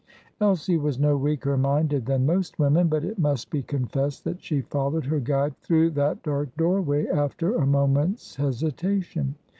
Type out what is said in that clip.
Elsie was no weaker minded than most women, but it must be confessed that she followed her guide through that dark doorway after a moment's hesitation.